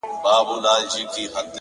يو دی چي يې ستا په نوم آغاز دی _